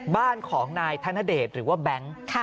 บ้านของนายธนเดชหรือว่าแบงค์